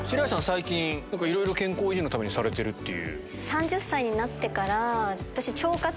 最近いろいろ健康維持のためにされてるって。